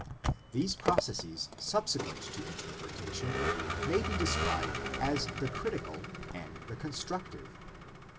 These processes subsequent to interpretation may be described as the critical and the constructive.